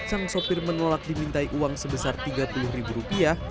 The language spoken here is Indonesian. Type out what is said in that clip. sang sopir menolak dimintai uang sebesar tiga puluh ribu rupiah